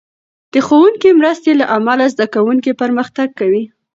د ښوونکې مرستې له امله، زده کوونکي پرمختګ کوي.